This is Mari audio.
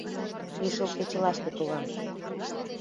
Лишыл кечылаште толам.